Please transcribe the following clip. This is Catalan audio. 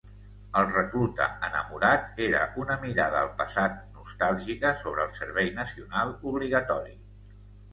"El recluta enamorat" era una mirada al passat nostàlgica sobre el servei nacional obligatori.